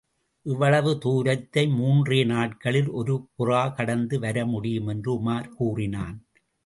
இவ்வளவு தூரத்தை முன்றே நாட்களில் ஒரு புறா கடந்து வர முடியும்! என்று உமார் கூறினான்.